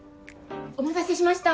お待たせしました。